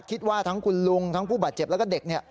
คิดว่าทั้งคุณลุงทั้งผู้บาดเจ็บแล้วก็เด็ก